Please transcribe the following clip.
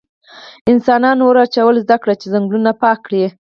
انسانان اور اچول زده کړل چې ځنګلونه پاک کړي.